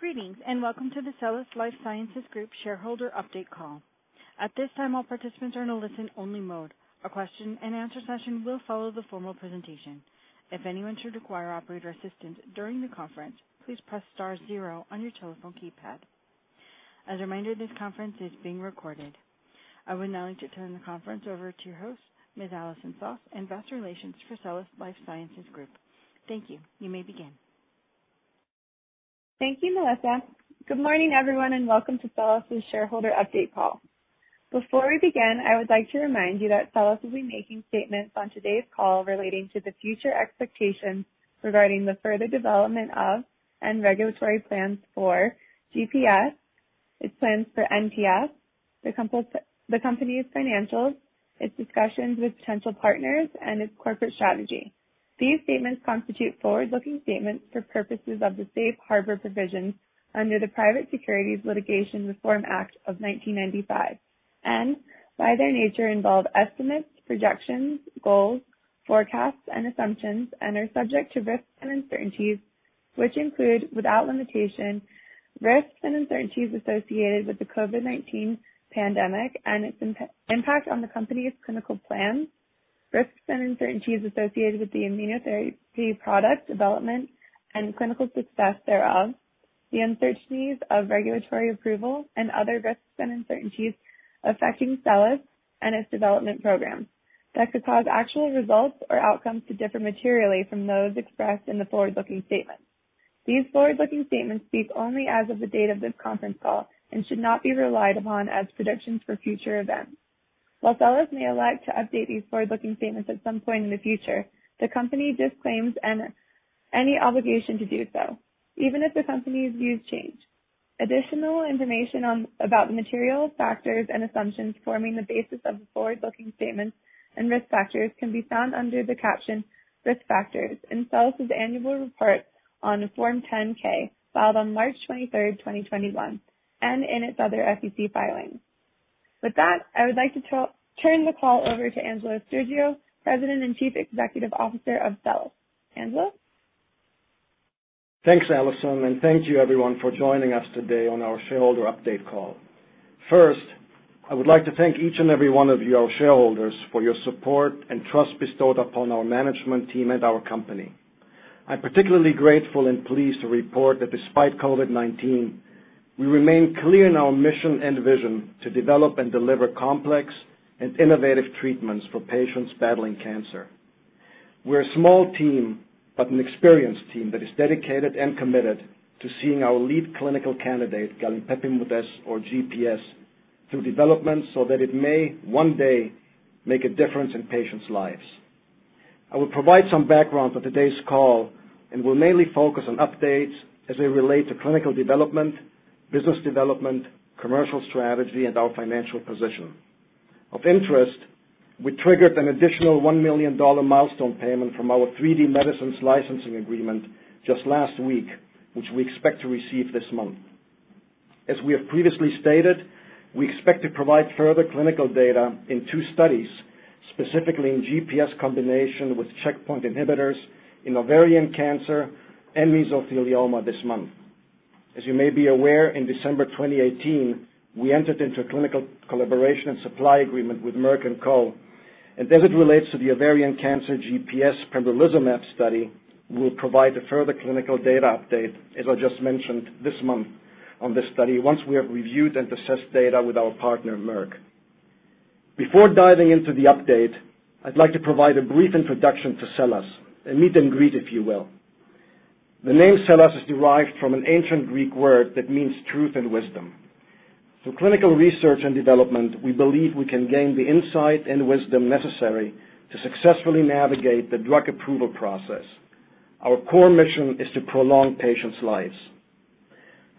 Greetings, welcome to the SELLAS Life Sciences Group shareholder update call. At this time, all participants are in a listen-only mode. A question and answer session will follow the formal presentation. If anyone should require operator assistance during the conference, please press star zero on your telephone keypad. As a reminder, this conference is being recorded. I would now like to turn the conference over to your host, Ms. Allison Soss, Investor Relations for SELLAS Life Sciences Group. Thank you. You may begin. Thank you, Melissa. Good morning, everyone, welcome to SELLAS' shareholder update call. Before we begin, I would like to remind you that SELLAS will be making statements on today's call relating to the future expectations regarding the further development of and regulatory plans for GPS, its plans for NPS, the company's financials, its discussions with potential partners, and its corporate strategy. These statements constitute forward-looking statements for purposes of the safe harbor provisions under the Private Securities Litigation Reform Act of 1995 and by their nature involve estimates, projections, goals, forecasts, and assumptions, and are subject to risks and uncertainties, which include without limitation, risks and uncertainties associated with the COVID-19 pandemic and its impact on the company's clinical plans, risks and uncertainties associated with the immunotherapy product development and clinical success thereof, the uncertainties of regulatory approval and other risks and uncertainties affecting SELLAS and its development programs that could cause actual results or outcomes to differ materially from those expressed in the forward-looking statements. These forward-looking statements speak only as of the date of this conference call and should not be relied upon as predictions for future events. While SELLAS may like to update these forward-looking statements at some point in the future, the company disclaims any obligation to do so, even if the company's views change. Additional information about material factors and assumptions forming the basis of forward-looking statements and risk factors can be found under the caption "Risk Factors" in SELLAS' annual report on Form 10-K, filed on March 23rd, 2021, and in its other SEC filings. With that, I would like to turn the call over to Angelos Stergiou, President and Chief Executive Officer of SELLAS. Angelos? Thanks, Allison, and thank you everyone for joining us today on our shareholder update call. First, I would like to thank each and every one of you, our shareholders, for your support and trust bestowed upon our management team and our company. I'm particularly grateful and pleased to report that despite COVID-19, we remain clear in our mission and vision to develop and deliver complex and innovative treatments for patients battling cancer. We're a small team, but an experienced team that is dedicated and committed to seeing our lead clinical candidate, galinpepimut-S, or GPS, through development so that it may one day make a difference in patients' lives. I will provide some background for today's call and will mainly focus on updates as they relate to clinical development, business development, commercial strategy, and our financial position. Of interest, we triggered an additional $1 million milestone payment from our 3D Medicines licensing agreement just last week, which we expect to receive this month. As we have previously stated, we expect to provide further clinical data in two studies, specifically in GPS combination with checkpoint inhibitors in ovarian cancer and mesothelioma this month. As you may be aware, in December 2018, we entered into a clinical collaboration and supply agreement with Merck & Co. As it relates to the ovarian cancer GPS pembrolizumab study, we will provide a further clinical data update, as I just mentioned, this month on the study once we have reviewed and assessed data with our partner, Merck. Before diving into the update, I'd like to provide a brief introduction to SELLAS, a meet and greet, if you will. The name SELLAS is derived from an ancient Greek word that means truth and wisdom. Through clinical research and development, we believe we can gain the insight and wisdom necessary to successfully navigate the drug approval process. Our core mission is to prolong patients' lives.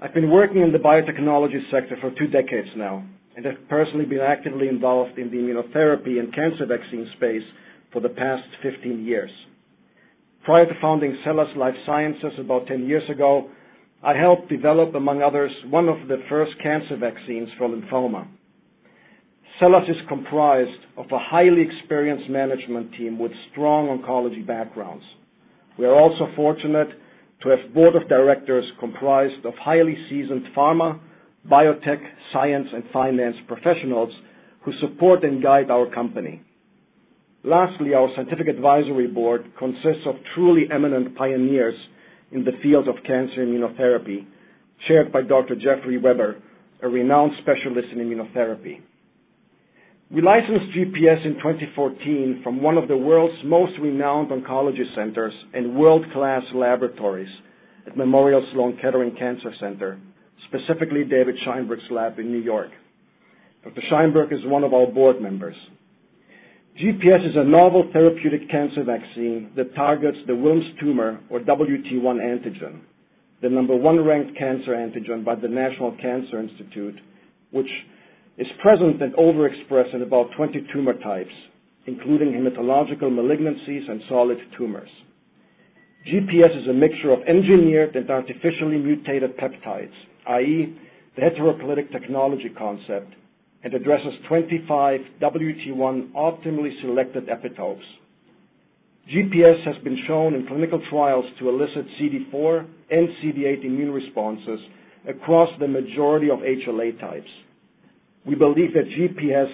I've been working in the biotechnology sector for two decades now, and have personally been actively involved in the immunotherapy and cancer vaccine space for the past 15 years. Prior to founding SELLAS Life Sciences about 10 years ago, I helped develop, among others, one of the first cancer vaccines for lymphoma. SELLAS is comprised of a highly experienced management team with strong oncology backgrounds. We are also fortunate to have a board of directors comprised of highly seasoned pharma, biotech, science, and finance professionals who support and guide our company. Lastly, our scientific advisory board consists of truly eminent pioneers in the field of cancer immunotherapy, chaired by Dr. Jeffrey Weber, a renowned specialist in immunotherapy. We licensed GPS in 2014 from one of the world's most renowned oncology centers and world-class laboratories, Memorial Sloan Kettering Cancer Center, specifically David Scheinberg's lab in New York. Dr. Scheinberg is one of our board members. GPS is a novel therapeutic cancer vaccine that targets the Wilms tumor or WT1 antigen, the number one ranked cancer antigen by the National Cancer Institute, which is present and overexpressed in about 20 tumor types, including hematological malignancies and solid tumors. GPS is a mixture of engineered and artificially mutated peptides, i.e., the heteroclitic technology concept. It addresses 25 WT1 optimally selected epitopes. GPS has been shown in clinical trials to elicit CD4 and CD8 immune responses across the majority of HLA types. We believe that GPS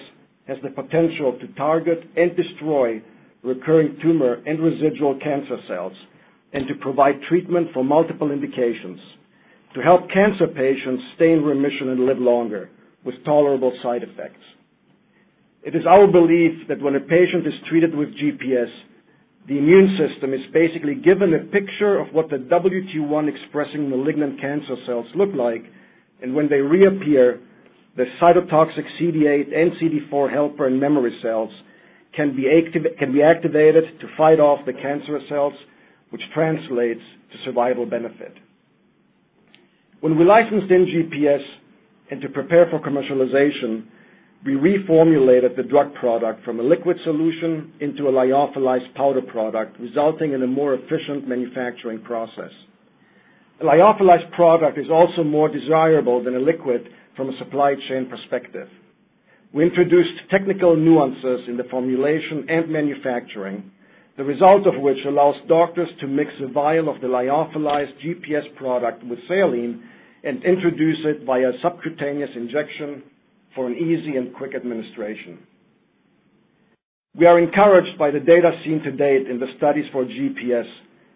has the potential to target and destroy recurring tumor and residual cancer cells, and to provide treatment for multiple indications to help cancer patients stay in remission and live longer with tolerable side effects. It is our belief that when a patient is treated with GPS, the immune system is basically given a picture of what the WT1 expressing malignant cancer cells look like, and when they reappear, the cytotoxic CD8 and CD4 helper and memory cells can be activated to fight off the cancerous cells, which translates to survival benefit. When we licensed in GPS and to prepare for commercialization, we reformulated the drug product from a liquid solution into a lyophilized powder product, resulting in a more efficient manufacturing process. The lyophilized product is also more desirable than a liquid from a supply chain perspective. We introduced technical nuances in the formulation and manufacturing, the result of which allows doctors to mix a vial of the lyophilized GPS product with saline and introduce it by a subcutaneous injection for an easy and quick administration. We are encouraged by the data seen to date in the studies for GPS,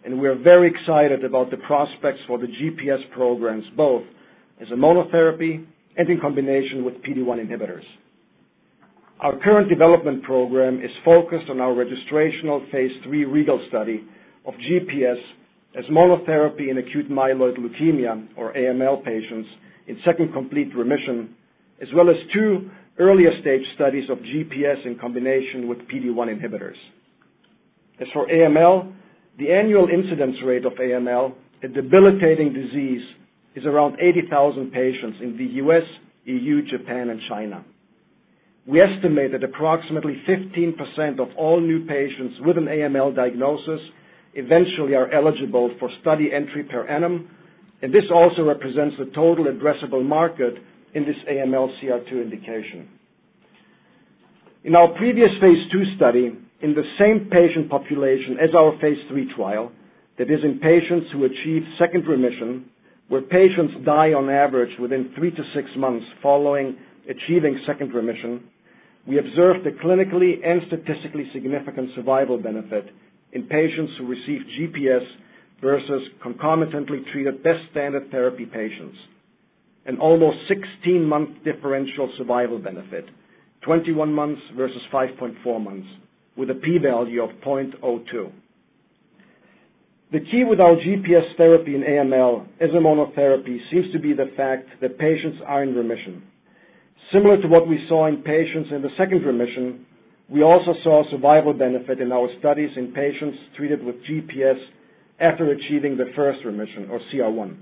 and we are very excited about the prospects for the GPS programs, both as a monotherapy and in combination with PD-1 inhibitors. Our current development program is focused on our registrational phase III REGAL study of GPS as monotherapy in acute myeloid leukemia or AML patients in second complete remission, as well as two earlier stage studies of GPS in combination with PD-1 inhibitors. As for AML, the annual incidence rate of AML, a debilitating disease, is around 80,000 patients in the U.S., EU, Japan, and China. We estimate that approximately 15% of all new patients with an AML diagnosis eventually are eligible for study entry per annum, and this also represents the total addressable market in this AML CR2 indication. In our previous phase II study, in the same patient population as our phase III trial, that is in patients who achieved second remission, where patients die on average within three to six months following achieving second remission, we observed a clinically and statistically significant survival benefit in patients who received GPS versus concomitantly treated best standard therapy patients, an almost 16-month differential survival benefit, 21 months versus 5.4 months, with a p-value of .02. The key with our GPS therapy in AML as a monotherapy seems to be the fact that patients are in remission. Similar to what we saw in patients in the second remission, we also saw a survival benefit in our studies in patients treated with GPS after achieving the first remission or CR1.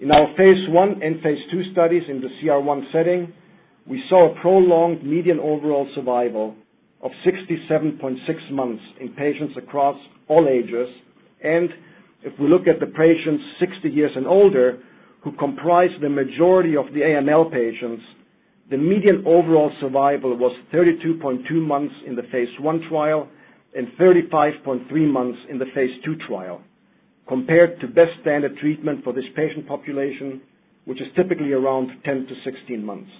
In our phase I and phase II studies in the CR1 setting, we saw a prolonged median overall survival of 67.6 months in patients across all ages, and if we look at the patients 60 years and older, who comprise the majority of the AML patients, the median overall survival was 32.2 months in the phase I trial and 35.3 months in the phase II trial, compared to best standard treatment for this patient population, which is typically around 10-16 months.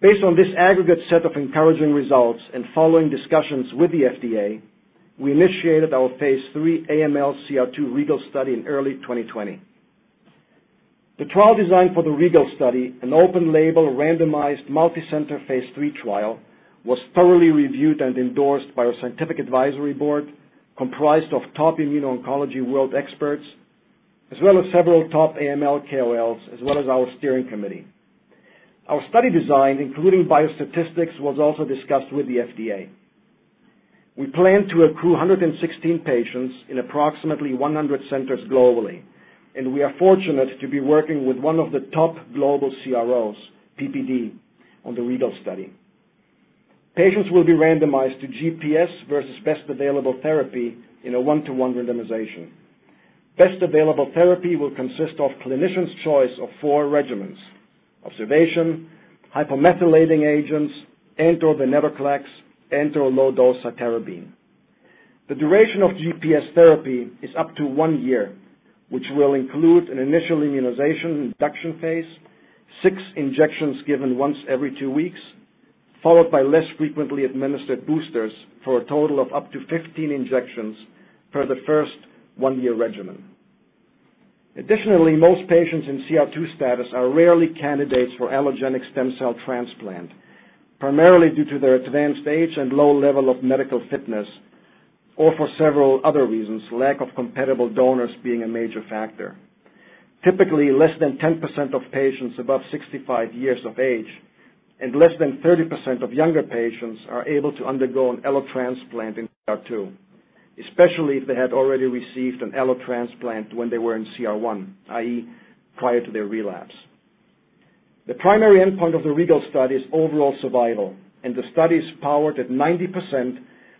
Based on this aggregate set of encouraging results and following discussions with the FDA, we initiated our phase III AML CR2 REGAL study in early 2020. The trial design for the REGAL study, an open-label, randomized, multi-center phase III trial, was thoroughly reviewed and endorsed by a scientific advisory board comprised of top immuno-oncology world experts, as well as several top AML KOLs, as well as our steering committee. Our study design, including biostatistics, was also discussed with the FDA. We plan to accrue 116 patients in approximately 100 centers globally, and we are fortunate to be working with one of the top global CROs, PPD, on the REGAL study. Patients will be randomized to GPS versus best available therapy in a one-to-one randomization. Best available therapy will consist of clinician's choice of four regimens, observation, hypomethylating agents, venetoclax, low dose decitabine. The duration of GPS therapy is up to one year, which will include an initial immunization induction phase, six injections given once every two weeks, followed by less frequently administered boosters for a total of up to 15 injections per the first one-year regimen. Additionally, most patients in CR2 status are rarely candidates for allogeneic stem cell transplant, primarily due to their advanced age and low level of medical fitness, or for several other reasons, lack of compatible donors being a major factor. Typically, less than 10% of patients above 65 years of age and less than 30% of younger patients are able to undergo an allo transplant in CR2, especially if they had already received an allo transplant when they were in CR1, i.e., prior to their relapse. The primary endpoint of the REGAL study is overall survival. The study is powered at 90%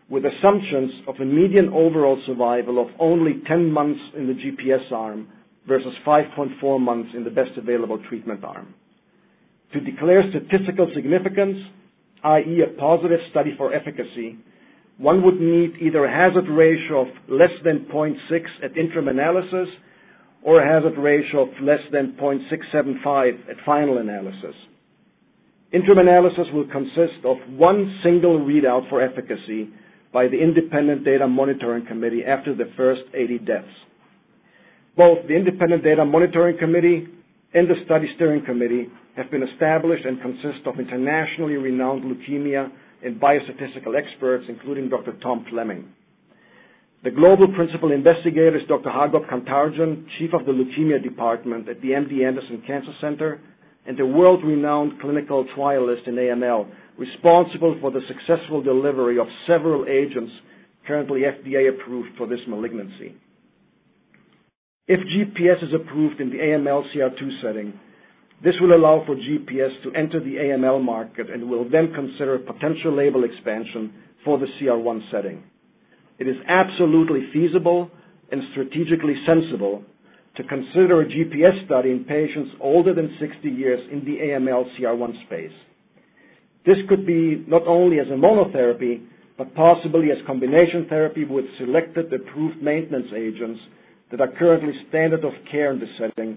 with assumptions of a median overall survival of only 10 months in the GPS arm versus 5.4 months in the best available treatment arm. To declare statistical significance, i.e., a positive study for efficacy, one would need either a hazard ratio of less than 0.6 at interim analysis or a hazard ratio of less than 0.675 at final analysis. Interim analysis will consist of one single readout for efficacy by the Independent Data Monitoring Committee after the first 80 deaths. Both the Independent Data Monitoring Committee and the study steering committee have been established and consist of internationally renowned leukemia and biostatistical experts, including Dr. Tom Fleming. The global principal investigator is Dr. Hagop Kantarjian, Chief of the Leukemia Department at the MD Anderson Cancer Center, and a world-renowned clinical trialist in AML, responsible for the successful delivery of several agents currently FDA approved for this malignancy. If GPS is approved in the AML CR2 setting, this would allow for GPS to enter the AML market and will then consider potential label expansion for the CR1 setting. It is absolutely feasible and strategically sensible to consider a GPS study in patients older than 60 years in the AML CR1 space. This could be not only as a monotherapy, but possibly as combination therapy with selected approved maintenance agents that are currently standard of care in the setting,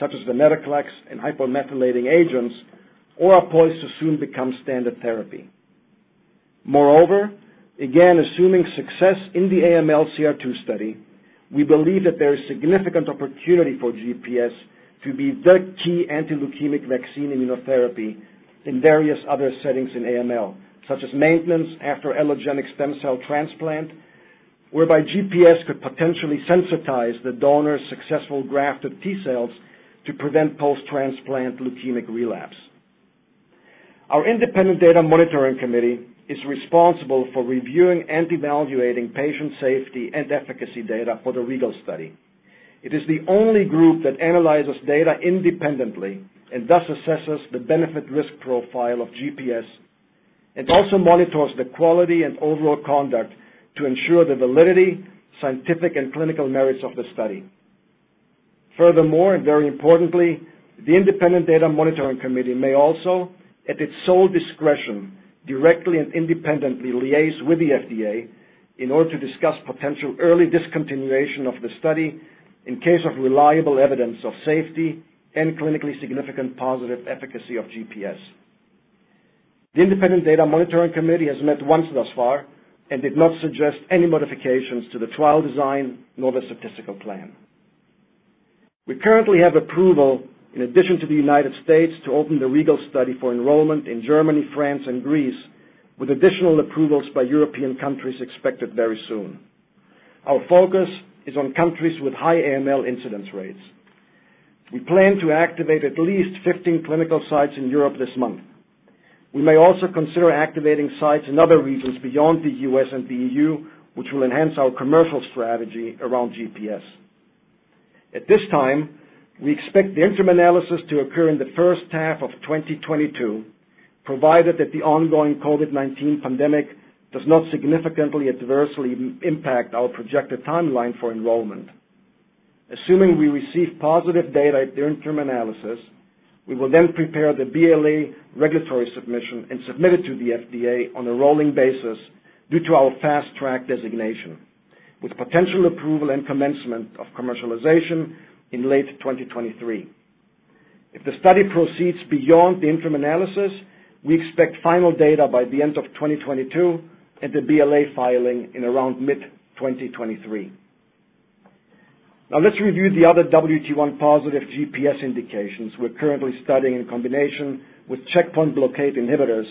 such as venetoclax and hypomethylating agents, or are poised to soon become standard therapy. Again assuming success in the AML CR2 study, we believe that there is significant opportunity for GPS to be the key anti-leukemic vaccine immunotherapy in various other settings in AML, such as maintenance after allogeneic stem cell transplant, whereby GPS could potentially sensitize the donor's successful grafted T-cells to prevent post-transplant leukemic relapse. Our independent data monitoring committee is responsible for reviewing and evaluating patient safety and efficacy data for the REGAL study. It is the only group that analyzes data independently and thus assesses the benefit-risk profile of GPS, and also monitors the quality and overall conduct to ensure the validity, scientific, and clinical merits of the study. The independent data monitoring committee may also, at its sole discretion, directly and independently liaise with the FDA in order to discuss potential early discontinuation of the study in case of reliable evidence of safety and clinically significant positive efficacy of GPS. The independent data monitoring committee has met once thus far and did not suggest any modifications to the trial design nor the statistical plan. We currently have approval, in addition to the U.S., to open the REGAL study for enrollment in Germany, France, and Greece, with additional approvals by European countries expected very soon. Our focus is on countries with high AML incidence rates. We plan to activate at least 15 clinical sites in Europe this month. We may also consider activating sites in other regions beyond the U.S. and the EU, which will enhance our commercial strategy around GPS. At this time, we expect the interim analysis to occur in the first half of 2022, provided that the ongoing COVID-19 pandemic does not significantly adversely impact our projected timeline for enrollment. Assuming we receive positive data at the interim analysis, we will then prepare the BLA regulatory submission and submit it to the FDA on a rolling basis due to our Fast Track designation, with potential approval and commencement of commercialization in late 2023. If the study proceeds beyond the interim analysis, we expect final data by the end of 2022 and the BLA filing in around mid-2023. Now let's review the other WT1-positive GPS indications we're currently studying in combination with checkpoint blockade inhibitors,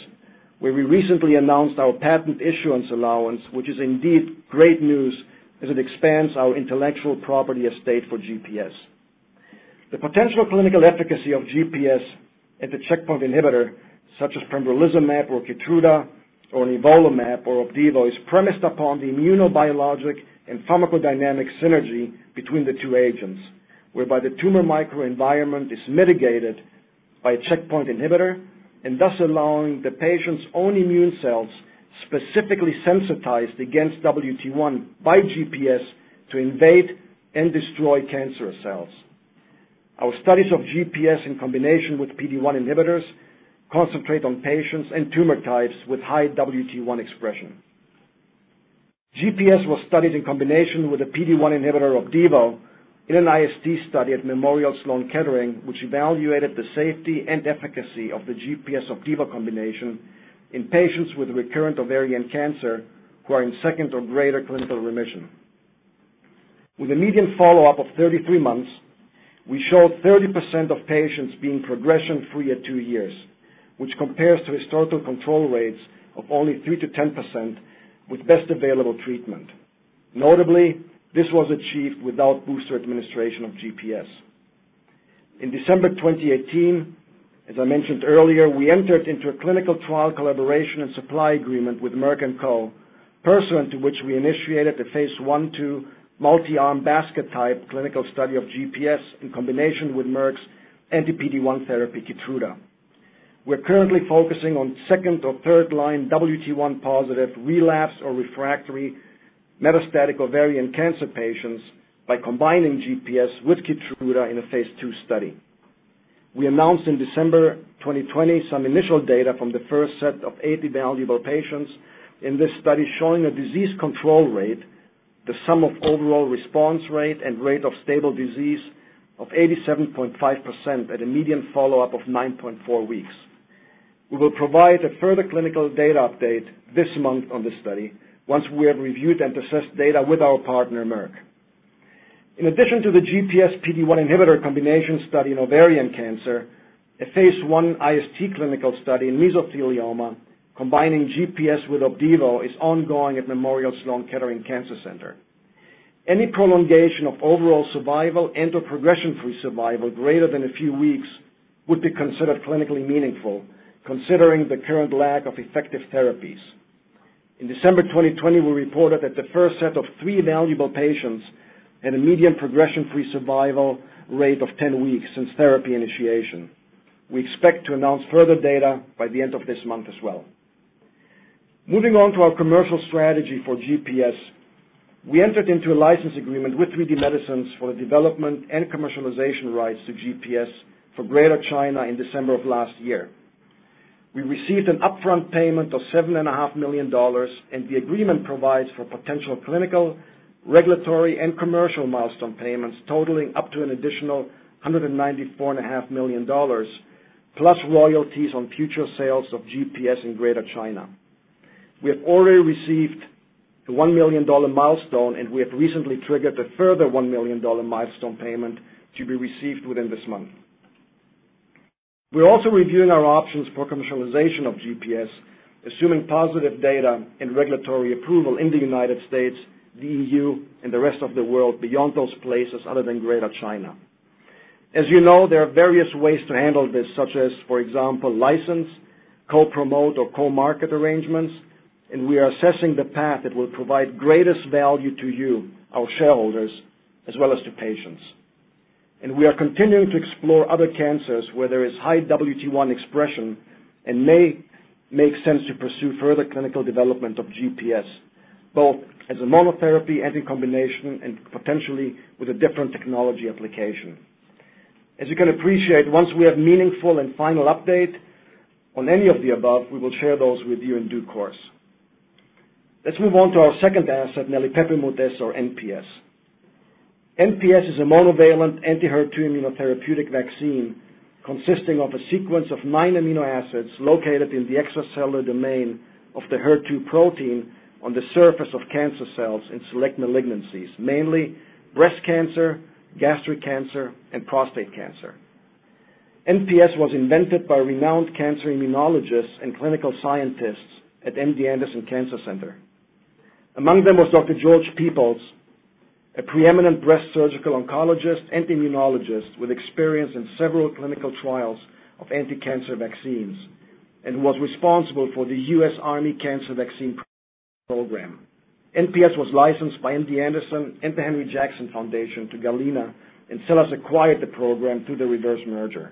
where we recently announced our patent issuance allowance, which is indeed great news as it expands our intellectual property estate for GPS. The potential clinical efficacy of GPS and the checkpoint inhibitor such as pembrolizumab or KEYTRUDA or nivolumab or OPDIVO is premised upon the immunobiologic and pharmacodynamic synergy between the two agents, whereby the tumor microenvironment is mitigated by a checkpoint inhibitor and thus allowing the patient's own immune cells, specifically sensitized against WT1 by GPS, to invade and destroy cancer cells. Our studies of GPS in combination with PD-1 inhibitors concentrate on patients and tumor types with high WT1 expression. GPS was studied in combination with the PD-1 inhibitor OPDIVO in an IST study at Memorial Sloan Kettering, which evaluated the safety and efficacy of the GPS OPDIVO combination in patients with recurrent ovarian cancer who are in second or greater clinical remission. With a median follow-up of 33 months, we showed 30% of patients being progression-free at two years, which compares to historical control rates of only 3%-10% with best available treatment. Notably, this was achieved without booster administration of GPS. In December 2018, as I mentioned earlier, we entered into a clinical trial collaboration and supply agreement with Merck & Co, pursuant to which we initiated a phase I/II multi-arm basket type clinical study of GPS in combination with Merck's anti-PD-1 therapy, KEYTRUDA. We're currently focusing on second or third-line WT1-positive relapse or refractory metastatic ovarian cancer patients by combining GPS with KEYTRUDA in a phase II study. We announced in December 2020 some initial data from the first set of 80 valuable patients in this study, showing a disease control rate, the sum of overall response rate and rate of stable disease of 87.5% at a median follow-up of 9.4 weeks. We will provide a further clinical data update this month on the study once we have reviewed and assessed data with our partner, Merck. In addition to the GPS PD-1 inhibitor combination study in ovarian cancer, a phase I/II clinical study in mesothelioma combining GPS with OPDIVO is ongoing at Memorial Sloan Kettering Cancer Center. Any prolongation of overall survival and/or progression-free survival greater than a few weeks would be considered clinically meaningful considering the current lack of effective therapies. In December 2020, we reported that the first set of three valuable patients and a median progression-free survival rate of 10 weeks since therapy initiation. We expect to announce further data by the end of this month as well. Moving on to our commercial strategy for GPS, we entered into a license agreement with 3D Medicines for development and commercialization rights to GPS for Greater China in December of last year. The agreement provides for potential clinical, regulatory, and commercial milestone payments totaling up to an additional $194.5 million, plus royalties on future sales of GPS in Greater China. We have already received the $1 million milestone, we have recently triggered a further $1 million milestone payment to be received within this month. We're also reviewing our options for commercialization of GPS, assuming positive data and regulatory approval in the United States, the EU, and the rest of the world beyond those places other than Greater China. As you know, there are various ways to handle this, such as, for example, license, co-promote or co-market arrangements, and we are assessing the path that will provide greatest value to you, our shareholders, as well as to patients. We are continuing to explore other cancers where there is high WT1 expression and may make sense to pursue further clinical development of GPS, both as a monotherapy and in combination and potentially with a different technology application. As you can appreciate, once we have meaningful and final update on any of the above, we will share those with you in due course. Let's move on to our second asset, nelipepimut-S or NPS. NPS is a monovalent anti-HER2 immunotherapeutic vaccine consisting of a sequence of nine amino acids located in the extracellular domain of the HER2 protein on the surface of cancer cells in select malignancies, mainly breast cancer, gastric cancer, and prostate cancer. NPS was invented by renowned cancer immunologists and clinical scientists at MD Anderson Cancer Center. Among them was Dr. George Peoples, a preeminent breast surgical oncologist and immunologist with experience in several clinical trials of anticancer vaccines and was responsible for the US Army Cancer Vaccine Program. NPS was licensed by MD Anderson and the Henry Jackson Foundation to Galena, and SELLAS acquired the program through the reverse merger.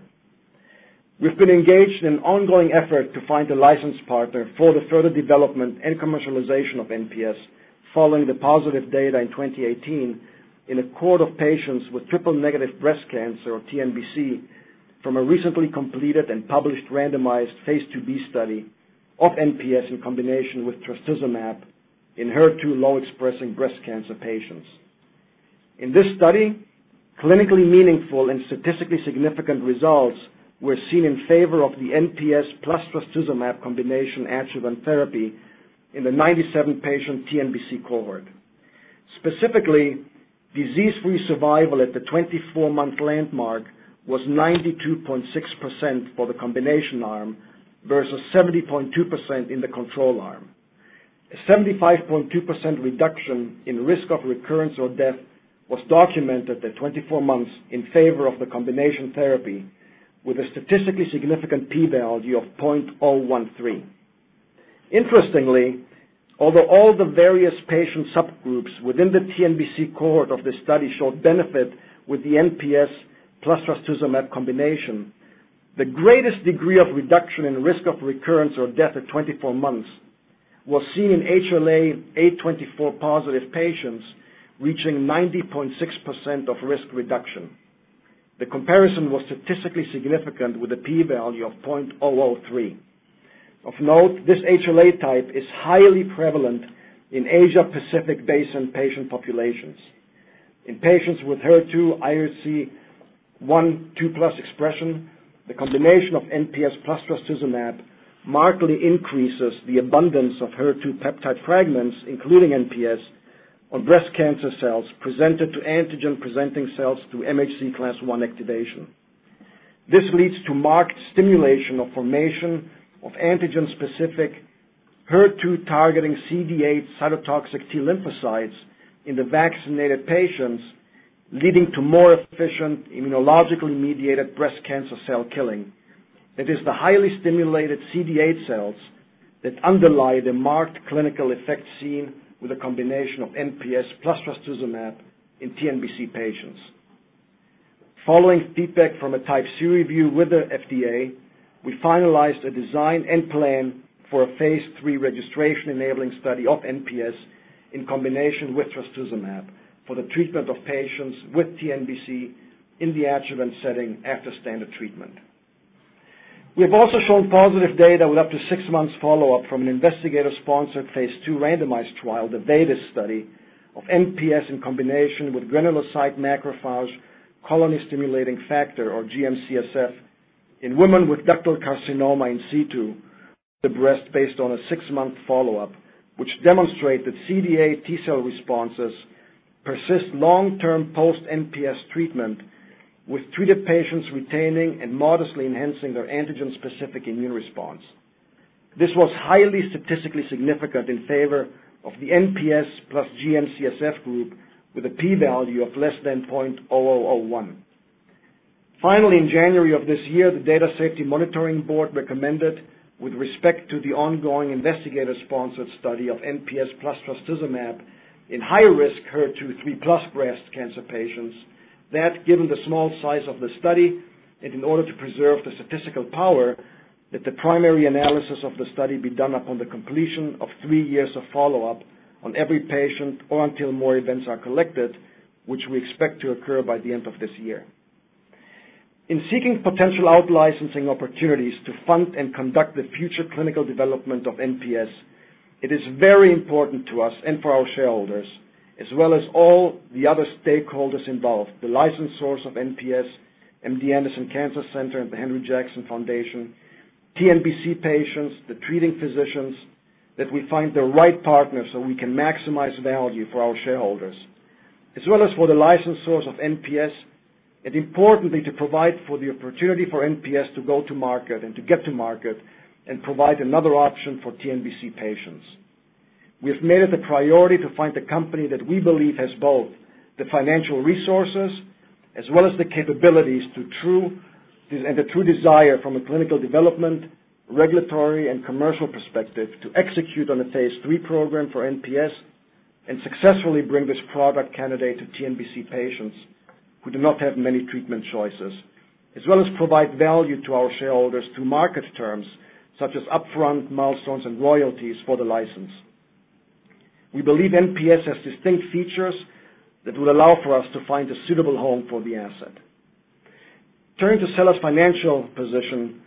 We've been engaged in an ongoing effort to find a license partner for the further development and commercialization of NPS following the positive data in 2018 in a cohort of patients with triple-negative breast cancer, or TNBC, from a recently completed and published randomized phase II-B study of NPS in combination with trastuzumab in HER2 low-expressing breast cancer patients. In this study, clinically meaningful and statistically significant results were seen in favor of the NPS plus trastuzumab combination adjuvant therapy in a 97-patient TNBC cohort. Specifically, disease-free survival at the 24-month landmark was 92.6% for the combination arm versus 70.2% in the control arm. A 75.2% reduction in risk of recurrence or death was documented at 24 months in favor of the combination therapy with a statistically significant P value of 0.013. Interestingly, although all the various patient subgroups within the TNBC cohort of the study showed benefit with the NPS plus trastuzumab combination, the greatest degree of reduction in risk of recurrence or death at 24 months was seen in HLA-A24 positive patients, reaching 90.6% of risk reduction. The comparison was statistically significant with a P value of 0.003. Of note, this HLA type is highly prevalent in Asia-Pacific basin patient populations. In patients with HER2 (IHC 1+/2+) expression, the combination of NPS plus trastuzumab markedly increases the abundance of HER2 peptide fragments, including NPS on breast cancer cells presented to antigen-presenting cells through MHC class I activation. This leads to marked stimulation of formation of antigen-specific HER2-targeting CD8 cytotoxic T lymphocytes in the vaccinated patients, leading to more efficient immunologically mediated breast cancer cell killing. It is the highly stimulated CD8 cells that underlie the marked clinical effect seen with a combination of NPS plus trastuzumab in TNBC patients. Following feedback from a Type C review with the FDA, we finalized a design and plan for a phase III registration-enabling study of NPS in combination with trastuzumab for the treatment of patients with TNBC in the adjuvant setting after standard treatment. We have also shown positive data of up to six months follow-up from an investigator-sponsored phase II randomized trial, the VADIS study of NPS in combination with granulocyte macrophage colony-stimulating factor, or GM-CSF, in women with ductal carcinoma in-situ of the breast based on a six-month follow-up, which demonstrate that CD8 T cell responses persist long-term post NPS treatment, with treated patients retaining and modestly enhancing their antigen-specific immune response. This was highly statistically significant in favor of the NPS plus GM-CSF group with a p-value of less than 0.001. Finally, in January of this year, the Data Safety Monitoring Board recommended with respect to the ongoing investigator-sponsored study of NPS plus trastuzumab in high-risk HER2/3+ breast cancer patients that given the small size of the study and in order to preserve the statistical power, that the primary analysis of the study be done upon the completion of three years of follow-up on every patient or until more events are collected, which we expect to occur by the end of this year. In seeking potential out-licensing opportunities to fund and conduct the future clinical development of NPS, it is very important to us and for our shareholders, as well as all the other stakeholders involved, the licensor of NPS, MD Anderson Cancer Center, The Henry Jackson Foundation, TNBC patients, the treating physicians, that we find the right partner so we can maximize the value for our shareholders. As well as for the licensor of NPS, and importantly, to provide for the opportunity for NPS to go to market and to get to market and provide another option for TNBC patients. We have made it a priority to find a company that we believe has both the financial resources as well as the capabilities and the true desire from a clinical development, regulatory, and commercial perspective to execute on a phase III program for NPS and successfully bring this product candidate to TNBC patients who do not have many treatment choices. As well as provide value to our shareholders through market terms such as upfront milestones and royalties for the license. We believe NPS has distinct features that will allow for us to find a suitable home for the asset. Turning to SELLAS' financial position,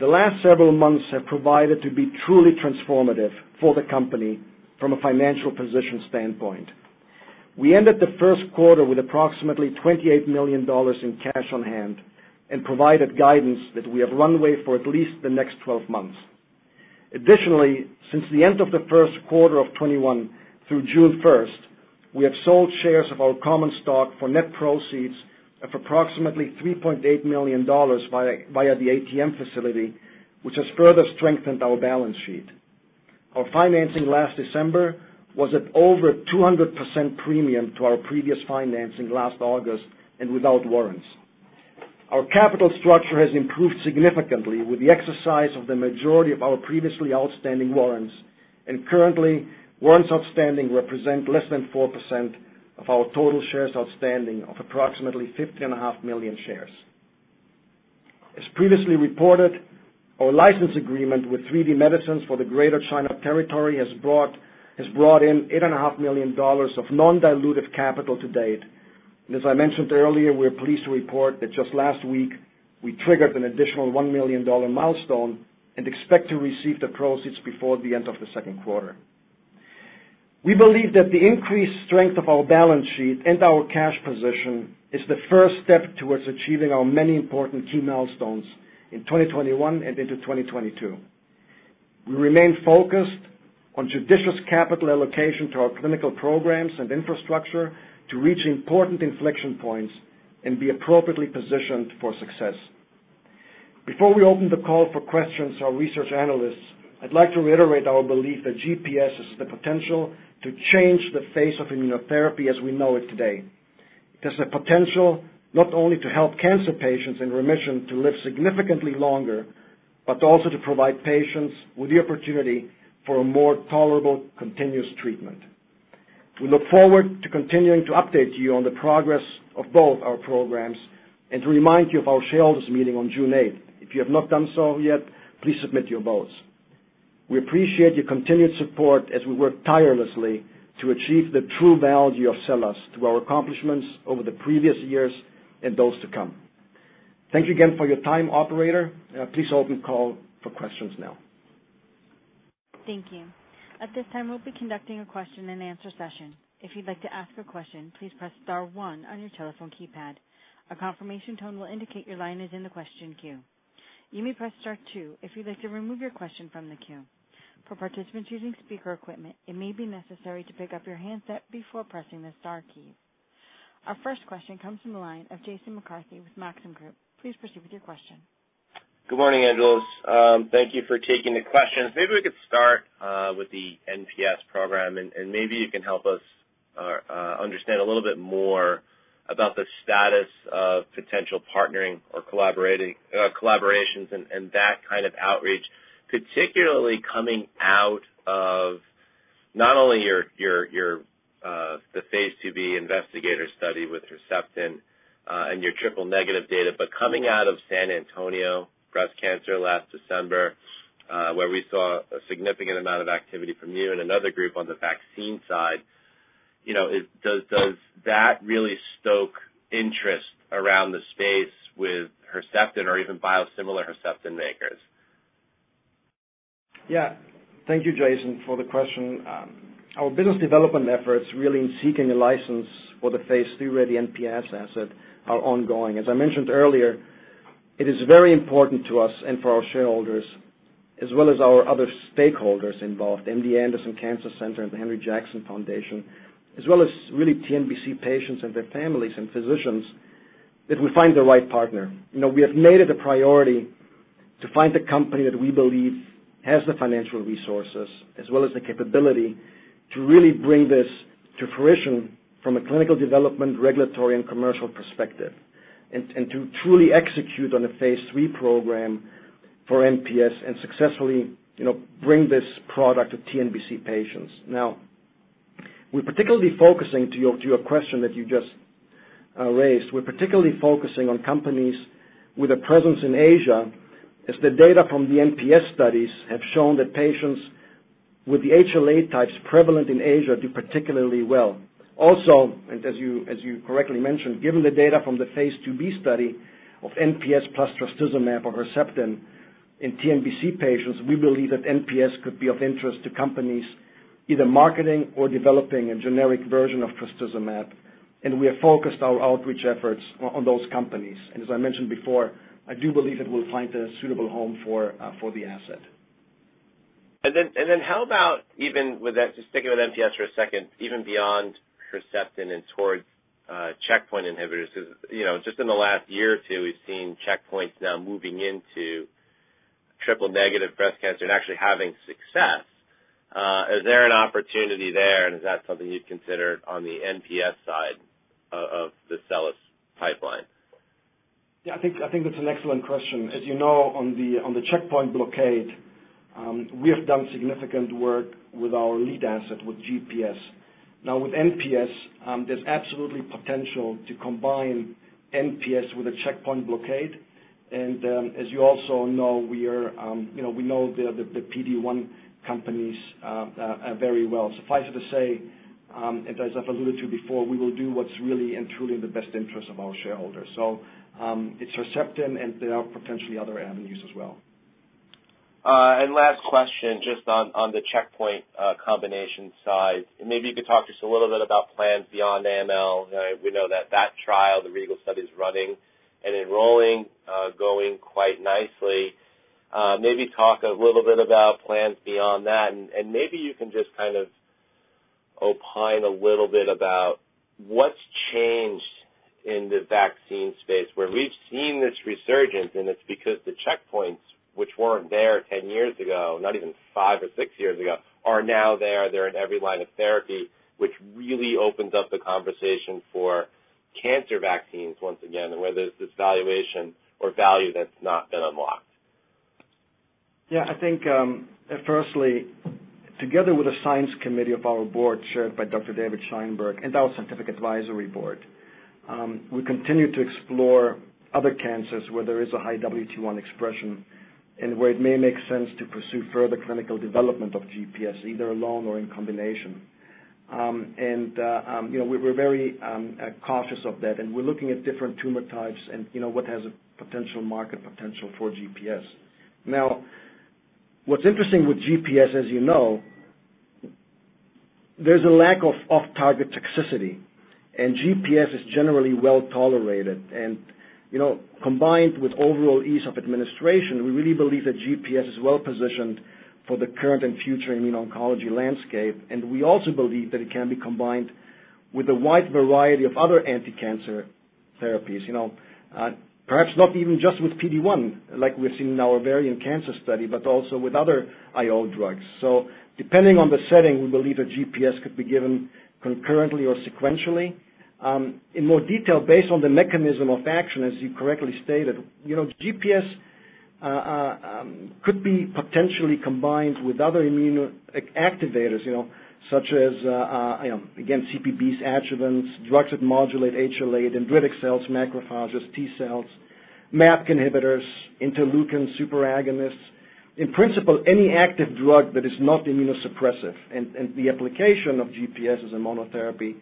the last several months have provided to be truly transformative for the company from a financial position standpoint. We ended the first quarter with approximately $28 million in cash on hand and provided guidance that we have runway for at least the next 12 months. Additionally, since the end of the first quarter of 2021 through June 1st, we have sold shares of our common stock for net proceeds of approximately $3.8 million via the ATM facility, which has further strengthened our balance sheet. Our financing last December was at over 200% premium to our previous financing last August and without warrants. Our capital structure has improved significantly with the exercise of the majority of our previously outstanding warrants, and currently, warrants outstanding represent less than 4% of our total shares outstanding of approximately 15.5 million shares. As previously reported, our license agreement with 3D Medicines for the Greater China territory has brought in $8.5 million of non-dilutive capital to date, and as I mentioned earlier, we're pleased to report that just last week, we triggered an additional $1 million milestone and expect to receive the proceeds before the end of the second quarter. We believe that the increased strength of our balance sheet and our cash position is the first step towards achieving our many important key milestones in 2021 and into 2022. We remain focused on judicious capital allocation to our clinical programs and infrastructure to reach important inflection points and be appropriately positioned for success. Before we open the call for questions to our research analysts, I'd like to reiterate our belief that GPS has the potential to change the face of immunotherapy as we know it today. It has the potential not only to help cancer patients in remission to live significantly longer, but also to provide patients with the opportunity for a more tolerable continuous treatment. We look forward to continuing to update you on the progress of both our programs and to remind you of our shareholders meeting on June 8th. If you have not done so yet, please submit your votes. We appreciate your continued support as we work tirelessly to achieve the true value of SELLAS through our accomplishments over the previous years and those to come. Thank you again for your time, operator. Please open the call for questions now. Thank you. At this time, we'll be conducting a question and answer session. Our first question comes from the line of Jason McCarthy with Maxim Group. Please proceed with your question. Good morning, Angelos. Thank you for taking the questions. Maybe we could start with the NPS program, and maybe you can help us understand a little bit more about the status of potential partnering or collaborations and that kind of outreach, particularly coming out of Not only your the phase II-B investigator study with Herceptin and your triple-negative data, but coming out of San Antonio Breast Cancer last December, where we saw a significant amount of activity from you and another group on the vaccine side, does that really stoke interest around the space with Herceptin or even biosimilar Herceptin makers? Yeah. Thank you, Jason, for the question. Our business development efforts really in seeking a license for the phase III-ready NPS asset are ongoing. As I mentioned earlier, it is very important to us and for our shareholders, as well as our other stakeholders involved, MD Anderson Cancer Center, the Henry Jackson Foundation, as well as really TNBC patients and their families and physicians, that we find the right partner. We have made it a priority to find a company that we believe has the financial resources as well as the capability to really bring this to fruition from a clinical development, regulatory, and commercial perspective, and to truly execute on a phase III program for NPS and successfully bring this product to TNBC patients. We're particularly focusing to your question that you just raised. We're particularly focusing on companies with a presence in Asia, as the data from the NPS studies have shown that patients with the HLA types prevalent in Asia do particularly well. As you correctly mentioned, given the data from the phase II-B study of NPS plus trastuzumab or Herceptin in TNBC patients, we believe that NPS could be of interest to companies either marketing or developing a generic version of trastuzumab, and we have focused our outreach efforts on those companies. As I mentioned before, I do believe that we'll find a suitable home for the asset. How about even with that, just sticking with NPS for a second, even beyond Herceptin and towards checkpoint inhibitors, because just in the last year or two, we've seen checkpoints now moving into triple-negative breast cancer and actually having success. Is there an opportunity there, and is that something you'd consider on the NPS side of the SELLAS pipeline? Yeah, I think that's an excellent question. As you know, on the checkpoint blockade, we have done significant work with our lead asset with GPS. With NPS, there's absolutely potential to combine NPS with a checkpoint blockade. As you also know, we know the PD-1 companies very well. Suffice it to say, as I've alluded to before, we will do what's really and truly in the best interest of our shareholders. It's Herceptin and there are potentially other MOA as well. Last question, just on the checkpoint combination side, and maybe you could talk just a little bit about plans beyond AML. We know that that trial, the REGAL study, is running and enrolling, going quite nicely. Maybe talk a little bit about plans beyond that, and maybe you can just opine a little bit about what's changed in the vaccine space where we've seen this resurgence, and it's because the checkpoints, which weren't there 10 years ago, not even five or six years ago, are now there. They're in every line of therapy, which really opens up the conversation for cancer vaccines once again, and whether there's this valuation or value that's not been unlocked. Yeah, I think firstly, together with the science committee of our board chaired by Dr. David Scheinberg and our scientific advisory board, we continue to explore other cancers where there is a high WT1 expression and where it may make sense to pursue further clinical development of GPS, either alone or in combination. We're very cautious of that, and we're looking at different tumor types and what has a potential market potential for GPS. Now, what's interesting with GPS, as you know, there's a lack of off-target toxicity, and GPS is generally well-tolerated. Combined with overall ease of administration, we really believe that GPS is well-positioned for the current and future immuno-oncology landscape. We also believe that it can be combined with a wide variety of other anticancer therapies. Perhaps not even just with PD-1, like we've seen in our ovarian cancer study, but also with other IO drugs. Depending on the setting, we believe that GPS could be given concurrently or sequentially. In more detail, based on the mechanism of action, as you correctly stated, GPS could be potentially combined with other immunoactivators, such as, again, CPB adjuvants, drugs that modulate HLA, dendritic cells, macrophages, T-cells, MEK inhibitors, interleukin superagonists. In principle, any active drug that is not immunosuppressive, the application of GPS as a monotherapy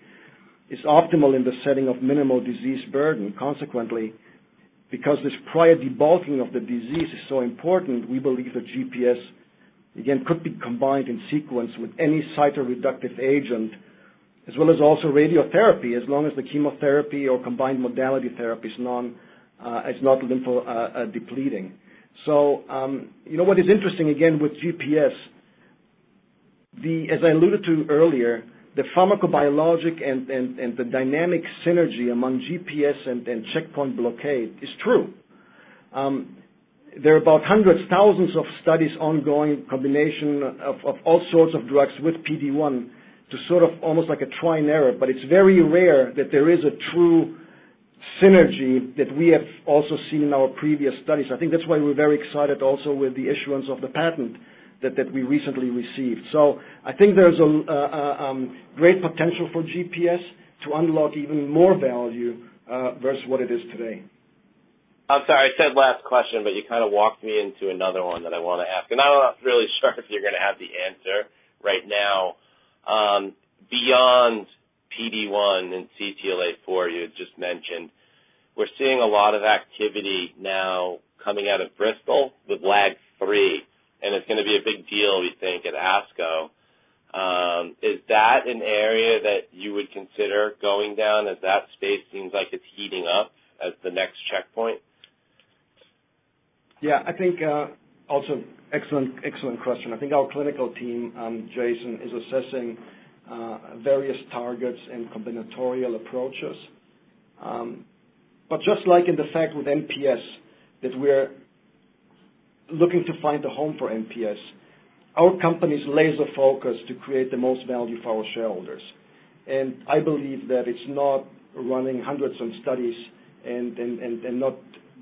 is optimal in the setting of minimal disease burden. Consequently, because this prior debulking of the disease is so important, we believe that GPS, again, could be combined in sequence with any cytoreductive agent, as well as also radiotherapy, as long as the chemotherapy or combined modality therapy is not lympho-depleting. What is interesting, again, with GPS, as I alluded to earlier, the pharmacobiologic and the dynamic synergy among GPS and checkpoint blockade is true. There are about hundreds, thousands of studies ongoing combination of all sorts of drugs with PD-1 to sort of almost like a trial and error, but it's very rare that there is a true synergy that we have also seen in our previous studies. I think that's why we're very excited also with the issuance of the patent that we recently received. I think there's a great potential for GPS to unlock even more value versus what it is today. I'm sorry. I said last question, but you walked me into another one that I want to ask, and I'm not really sure if you're going to have the answer right now. Beyond PD-1 and CTLA-4 you had just mentioned, we're seeing a lot of activity now coming out of Bristol with LAG-3, and it's going to be a big deal, we think, at ASCO. Is that an area that you would consider going down as that space seems like it's heating up as the next checkpoint? Yeah, I think, also excellent question. I think our clinical team, Jason, is assessing various targets and combinatorial approaches. Just like in the fact with NPS, that we're looking to find a home for NPS, our company is laser-focused to create the most value for our shareholders. I believe that it's not running hundreds of studies and not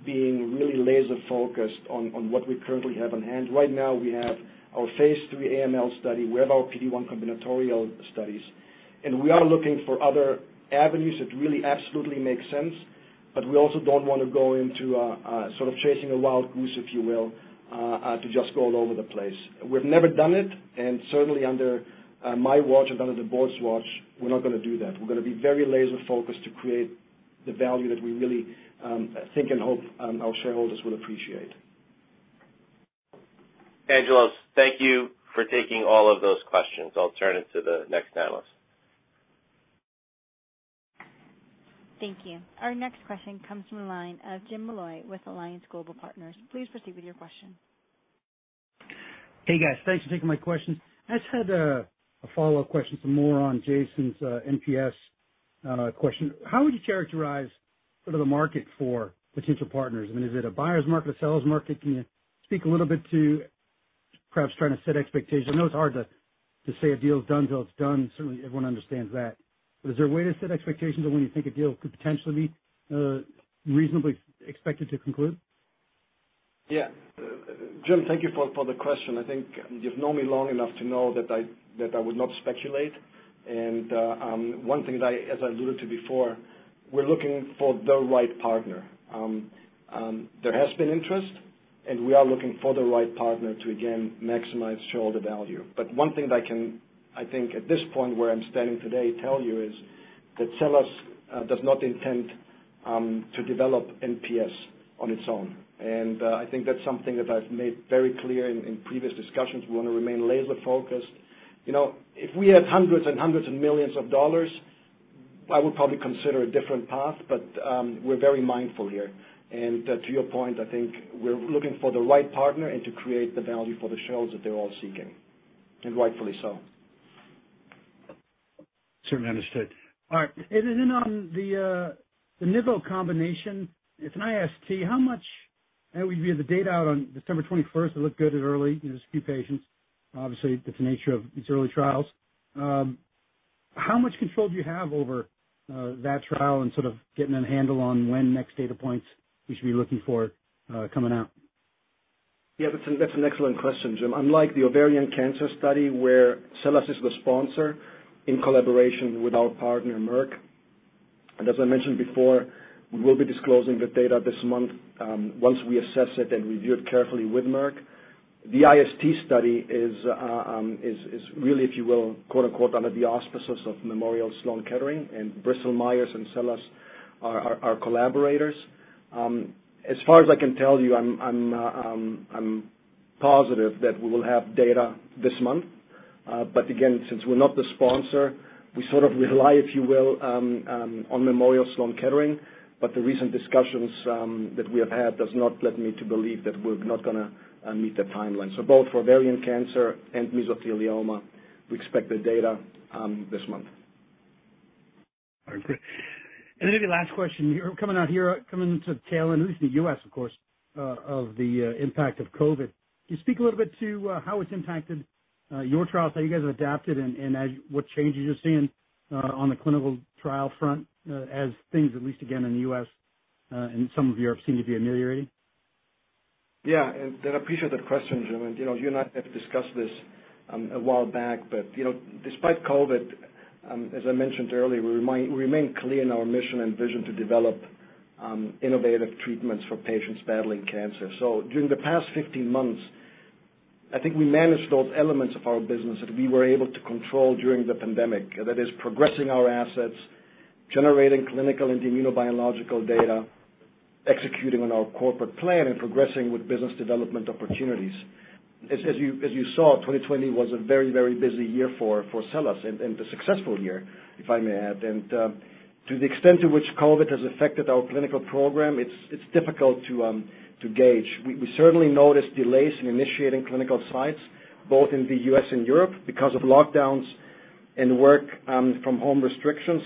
being really laser-focused on what we currently have on hand. Right now, we have our phase III AML study. We have our PD-1 combinatorial studies. We are looking for other avenues that really absolutely make sense. We also don't want to go into sort of chasing a wild goose, if you will, to just go all over the place. We've never done it. Certainly under my watch and under the board's watch, we're not going to do that. We're going to be very laser-focused to create the value that we really think and hope our shareholders will appreciate. Angelos, thank you for taking all of those questions. I'll turn it to the next analyst. Thank you. Our next question comes from the line of Jim Molloy with Alliance Global Partners. Please proceed with your question. Hey, guys. Thanks for taking my questions. I just had a follow-up question, some more on Jason's NPS question. How would you characterize the market for potential partners? Is it a buyer's market, seller's market? Can you speak a little bit to perhaps trying to set expectations? I know it's hard to say a deal's done till it's done. Certainly, everyone understands that. Is there a way to set expectations on when you think a deal could potentially be reasonably expected to conclude? Yeah. Jim, thank you for the question. I think you've known me long enough to know that I would not speculate. One thing, as I alluded to before, we're looking for the right partner. There has been interest. We are looking for the right partner to, again, maximize shareholder value. One thing I can, I think at this point where I'm standing today, tell you is that SELLAS does not intend to develop NPS on its own. I think that's something that I've made very clear in previous discussions. We want to remain laser-focused. If we had hundreds and hundreds of millions of dollars, I would probably consider a different path. We're very mindful here. To your point, I think we're looking for the right partner and to create the value for the shareholders that they're all seeking. Rightfully so. Certainly understood. All right. On the nivolumab combination, it's an IST, you have the data out on December 21st. It looked good at early, a few patients. Obviously, that's the nature of these early trials. How much control do you have over that trial and sort of getting a handle on when next data points we should be looking for coming out? Yeah, that's an excellent question, Jim. Unlike the ovarian cancer study where SELLAS is the sponsor in collaboration with our partner, Merck, as I mentioned before, we will be disclosing the data this month once we assess it and review it carefully with Merck. The IST study is really, if you will, under the auspices of Memorial Sloan Kettering and Bristol Myers and SELLAS are our collaborators. As far as I can tell you, I'm positive that we will have data this month. Again, since we're not the sponsor, we sort of rely, if you will, on Memorial Sloan Kettering. The recent discussions that we have had does not lead me to believe that we're not going to meet the timeline. Both for ovarian cancer and mesothelioma, we expect the data this month. All right, great. Maybe last question here, coming out here, coming into tail end, who's in the U.S., of course, of the impact of COVID. Can you speak a little bit to how it's impacted your trials, how you guys adapted and what changes you're seeing on the clinical trial front as things at least again in the U.S. and some of Europe seem to be ameliorating? I appreciate the question, Jim, and you and I have discussed this a while back. Despite COVID, as I mentioned earlier, we remain clear in our mission and vision to develop innovative treatments for patients battling cancer. During the past 15 months, I think we managed both elements of our business that we were able to control during the pandemic, and that is progressing our assets, generating clinical and immunobiological data, executing on our corporate plan, and progressing with business development opportunities. As you saw, 2020 was a very, very busy year for SELLAS and a successful year, if I may add. To the extent to which COVID has affected our clinical program, it's difficult to gauge. We certainly noticed delays in initiating clinical sites both in the U.S. and Europe because of lockdowns and work-from-home restrictions.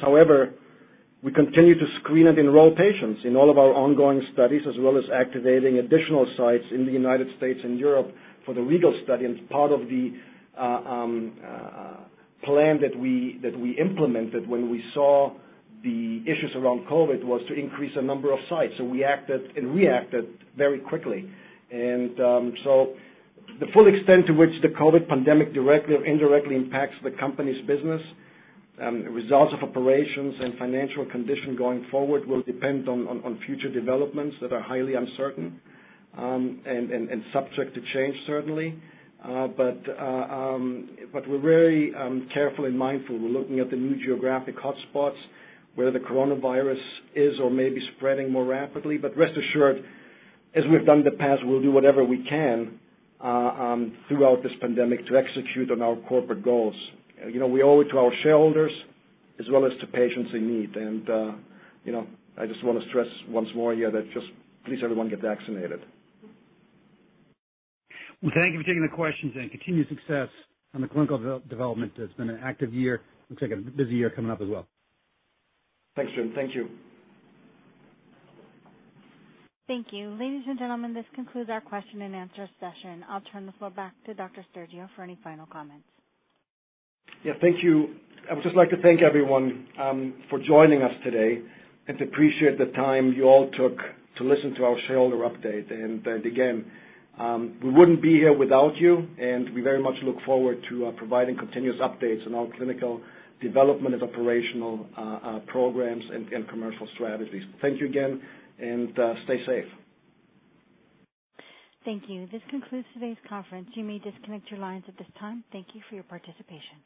We continue to screen and enroll patients in all of our ongoing studies, as well as activating additional sites in the U.S. and Europe for the REGAL study. Part of the plan that we implemented when we saw the issues around COVID was to increase the number of sites, and we acted very quickly. The full extent to which the COVID pandemic directly or indirectly impacts the company's business, results of operations, and financial condition going forward will depend on future developments that are highly uncertain and subject to change, certainly. We're very careful and mindful. We're looking at the new geographic hotspots where the coronavirus is or may be spreading more rapidly. Rest assured, as we have done in the past we'll do whatever we can throughout this pandemic to execute on our corporate goals. We owe it to our shareholders as well as to patients in need. I just want to stress once more here that just please everyone get vaccinated. Well, thank you for taking the questions and continued success on the clinical development. It's been an active year. Looks like a busy year coming up as well. Thanks, Jim. Thank you. Thank you. Ladies and gentlemen, this concludes our question and answer session. I'll turn the floor back to Dr. Stergiou for any final comments. Yeah, thank you. I would just like to thank everyone for joining us today and appreciate the time you all took to listen to our shareholder update. Again, we wouldn't be here without you, and we very much look forward to providing continuous updates on our clinical development and operational programs and commercial strategies. Thank you again, and stay safe. Thank you. This concludes today's conference. You may disconnect your lines at this time. Thank you for your participation.